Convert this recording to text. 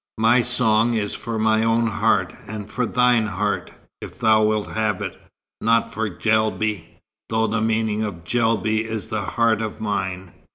My song is for my own heart, and for thine heart, if thou wilt have it, not for Guelbi, though the meaning of Guelbi is 'heart of mine.'"